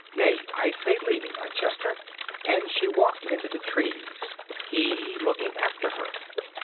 Nay, I say leave me, Leicester!" And she walked into the trees, he looking after her.